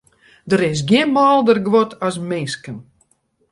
Der is gjin mâlder guod as minsken.